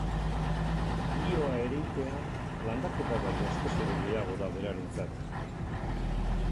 Lihoa ereitea landaketa baino askoz ere gehiago da berarentzat.